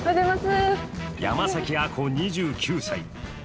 山崎亜子２９歳。